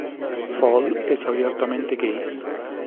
Fall es abiertamente gay.